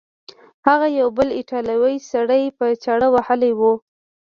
هغه یو بل ایټالوی سړی په چاړه وهلی و.